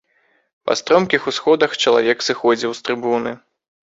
Па стромкіх усходах чалавек сыходзіў з трыбуны.